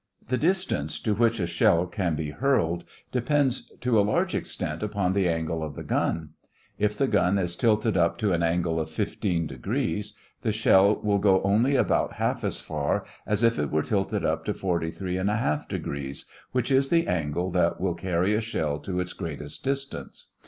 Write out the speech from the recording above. The distance to which a shell can be hurled depends to a large extent upon the angle of the gun. If the gun is tilted up to an angle of 15 degrees, the shell will go only about half as far as if it were tilted up to 43 1/2 degrees, which is the angle that will carry a shell to its greatest distance.